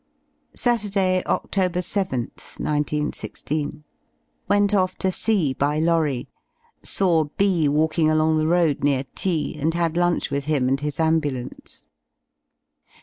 Saturday y Oct. 7th, 191 6. Went off to C by lorry. Saw B walking along the road near T , and had lunch with him and his ambulance.